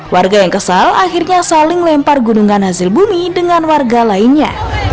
warga yang kesal akhirnya saling lempar gunungan hasil bumi dengan warga lainnya